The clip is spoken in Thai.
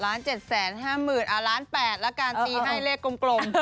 ๑๗๕๐๐๐๐อ่ะ๑๘๐๐๐๐๐แล้วกันตีให้เลขกลม